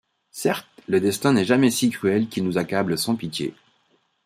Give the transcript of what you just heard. Certes, le destin n’est jamais si cruel qu’il nous accable sans pitié.